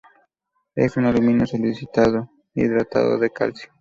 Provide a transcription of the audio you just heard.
Es un alumino-silicato hidratado de calcio.